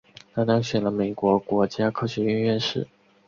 他当选了美国国家科学院院士。